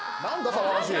騒がしい。